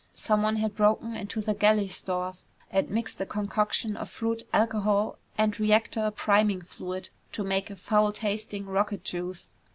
Someone had broken into the galley stores and mixed a concoction of fruit, alcohol, and reactor priming fluid to make a foul tasting rocket juice.